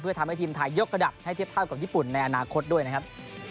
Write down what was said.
เพื่อทำให้ทีมไทยยกระดับให้เทียบเท่ากับญี่ปุ่นในอนาคตด้วยนะครับ